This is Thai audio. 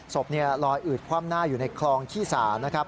ศพลอยอืดคว่ำหน้าอยู่ในคลองขี้สานะครับ